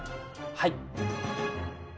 はい。